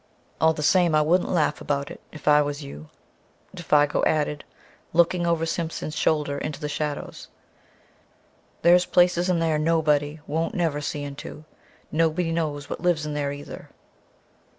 "All the same I wouldn't laugh about it, if I was you," Défago added, looking over Simpson's shoulder into the shadows. "There's places in there nobody won't never see into nobody knows what lives in there either."